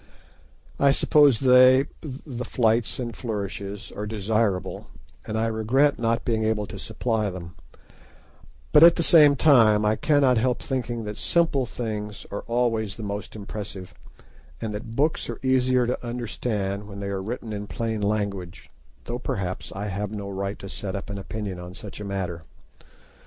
I suppose they—the flights and flourishes—are desirable, and I regret not being able to supply them; but at the same time I cannot help thinking that simple things are always the most impressive, and that books are easier to understand when they are written in plain language, though perhaps I have no right to set up an opinion on such a matter.